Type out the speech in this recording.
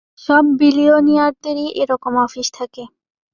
সব বিলিয়নিয়ারদেরই এরকম অফিস থাকে।